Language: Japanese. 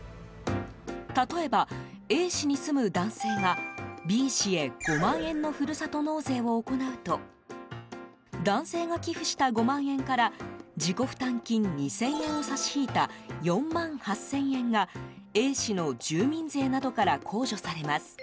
例えば、Ａ市に住む男性がＢ市へ５万円のふるさと納税を行うと男性が寄付した５万円から自己負担金２０００円を差し引いた４万８０００円がＡ市の住民税などから控除されます。